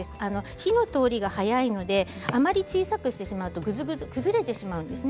火の通りが早いのであまり小さくしてしまうと崩れてしまうんですね。